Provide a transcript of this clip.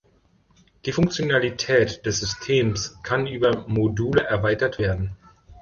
Die Funktionalität des Systems kann über Module erweitert werden.